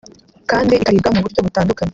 kandi ikaribwa mu buryo butandukanye